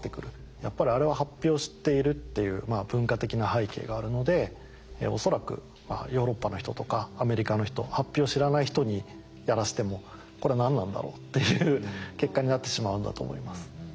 やっぱりあれははっぴを知っているっていう文化的な背景があるので恐らくヨーロッパの人とかアメリカの人はっぴを知らない人にやらしても「これは何なんだろう」っていう結果になってしまうんだと思います。